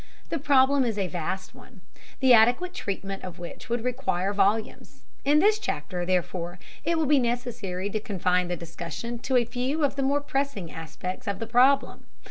The problem is a vast one, the adequate treatment of which would require volumes. In this chapter, therefore, it will be necessary to confine the discussion to a few of the more pressing aspects of the problem.